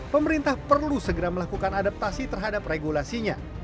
pemerintah perlu segera melakukan adaptasi terhadap regulasinya